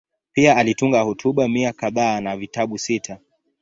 Pia alitunga hotuba mia kadhaa na vitabu sita.